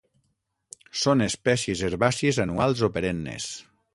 Són espècies herbàcies anuals o perennes.